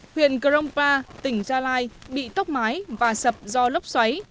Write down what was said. huyện cờ rông pa tỉnh gia lai bị tốc mái và sập do lốc xoáy